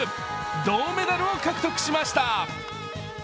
銅メダルを獲得しました。